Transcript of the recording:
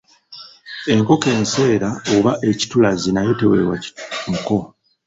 Enkoko enseera oba ekitulazi nayo teweebwa muko.